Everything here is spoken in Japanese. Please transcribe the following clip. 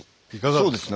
そうですね。